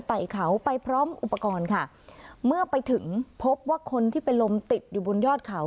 ไต่เขาไปพร้อมอุปกรณ์ค่ะเมื่อไปถึงพบว่าคนที่เป็นลมติดอยู่บนยอดเขา